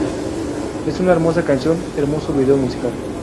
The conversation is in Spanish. Es una hermosa canción, hermoso vídeo musical.